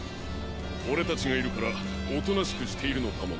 オレたちがいるからおとなしくしているのかもな。